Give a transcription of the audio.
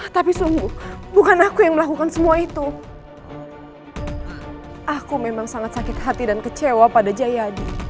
telah meneluh istri dan juga dukun yang telah menolongnya